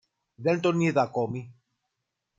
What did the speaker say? Δεν τον είδα ακόμη